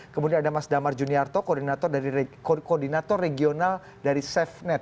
kemudian ada mas damar juniarto koordinator regional dari safenet